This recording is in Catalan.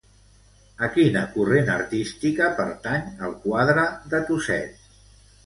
A quina corrent artística pertany el quadre de Tuset?